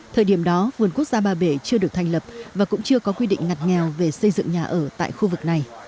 thời điểm đó vườn quốc gia ba bể chưa được thành lập và cũng chưa có quy định ngặt nghèo về xây dựng nhà ở tại khu vực này